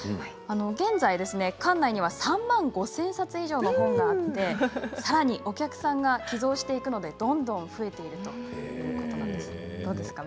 現在、館内には３万５０００冊以上の本があってさらにお客さんが寄贈していくのでどんどん増えているそうです。